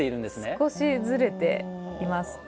少しずれています。